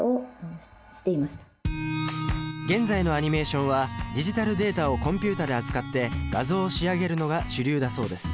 現在のアニメーションはディジタルデータをコンピュータで扱って画像を仕上げるのが主流だそうです。